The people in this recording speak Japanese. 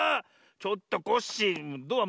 ちょっとコッシードア